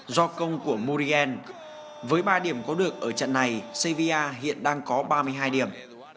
do công của morigen với ba điểm có được ở trận này cva hiện đang có ba mươi hai điểm